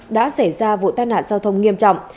đã xảy ra vụ tai nạn giao thông nghiêm trọng